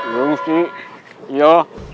ya gusti ya